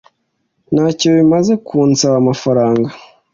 ntacyo bimaze kunsaba amafaranga